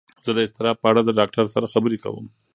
زه د اضطراب په اړه د ډاکتر سره خبرې کوم.